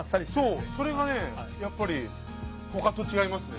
そうそれがねやっぱり他と違いますね。